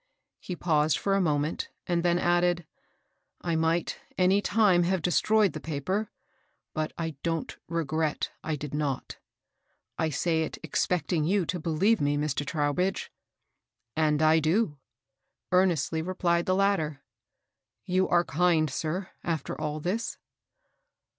He paused for a moment, and then added, '* I might any time have destroyed the paper ; but I donH regret I did not. 1 say it ex pecting you to believe me, Mr. Trowbridge." " And I do," earnestly replied the latter. " You are kind, sir, after all this